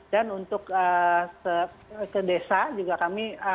dan untuk ke desa juga kami